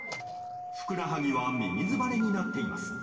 ふくらはぎはみみずばれになっています。